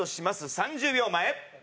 ３０秒前」。